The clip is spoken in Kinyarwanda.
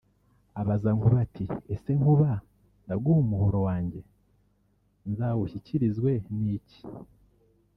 abaza Nkuba ati “Ese Nkuba ndaguha umuhoro wanjye nzawushyikirizwe n’iki